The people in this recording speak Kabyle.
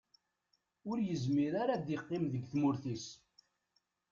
Ur yezmir ara ad yeqqim deg tmurt-is.